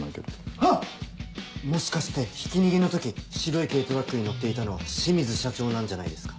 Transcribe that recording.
ハッもしかしてひき逃げの時白い軽トラックに乗っていたのは清水社長なんじゃないですか？